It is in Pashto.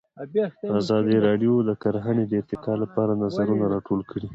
ازادي راډیو د کرهنه د ارتقا لپاره نظرونه راټول کړي.